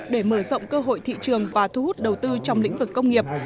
để mở rộng cơ hội thị trường và thu hút đầu tư trong lĩnh vực công nghiệp